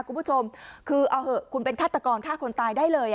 คุณผู้ชมคือเอาเหอะคุณเป็นฆาตกรฆ่าคนตายได้เลย